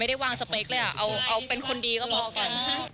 ไม่ได้วางสเปคเลยเอาเป็นคนดีก็พอก่อน